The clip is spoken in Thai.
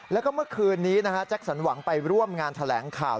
แล้วก็เมื่อคืนนี้นะฮะแจ็คสันหวังไปร่วมงานแถลงข่าว